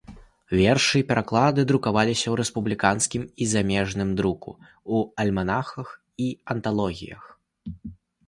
Вершы і пераклады друкаваліся ў рэспубліканскім і замежным друку, у альманахах і анталогіях.